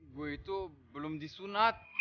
gue itu belum disunat